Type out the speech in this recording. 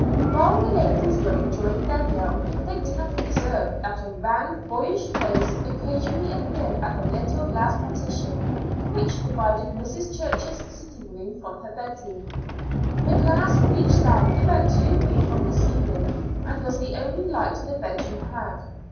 While the ladies were enjoying their meal they did not observe that a round boyish face occasionally appeared at the little glass partition which divided Mrs. Church's sitting room from her bedroom. The glass reached down about two feet from the ceiling, and was the only light the bedroom had.